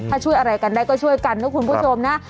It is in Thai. ถ้าช่วยอะไรกันได้ก็ช่วยกันนะคุณผู้ชมนะ